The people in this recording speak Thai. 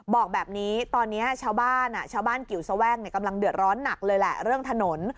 บอกแบบนี้ตอนนี้ชาวบ้านชาวบ้านกิวแสว่างกำลังเดือดร้อนหนักเลยแหละเรื่องถนน